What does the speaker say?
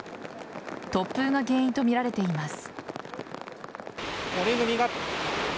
突風が原因とみられています。